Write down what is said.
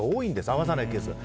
会わさないケースが。